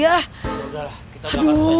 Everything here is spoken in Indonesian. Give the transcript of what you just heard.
yaudah kita dapat saja